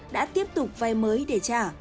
đã tiếp tục vay mới để trả